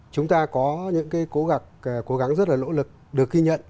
chúng ta có những cái cố gắng rất là lỗ lực được ghi nhận